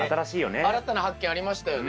新たな発見ありましたよね。